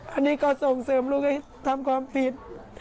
อันนี้ก็ส่งเสริมลูกให้ทำความผิด